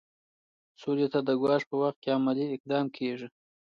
سولې ته د ګواښ په وخت کې عملي اقدام کیږي.